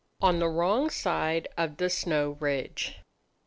*ON THE WRONG SIDE OF THE SNOW RIDGE.